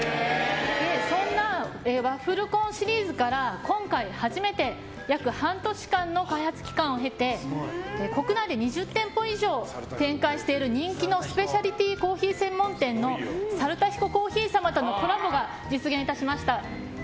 そんなワッフルコーンシリーズから今回初めて約半年間の開発期間を経て国内で２０店舗以上展開している人気のスペシャリティコーヒー専門店の猿田彦珈琲様とのコラボが実現いたしました。